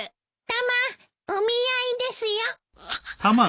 タマお見合いですよ。